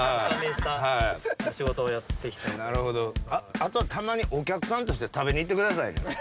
あとはたまにお客さんとして食べにいってください。